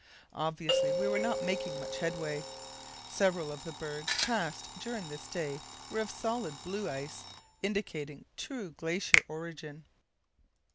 Obviously we were not making much headway. Several of the bergs passed during this day were of solid blue ice, indicating true glacier origin.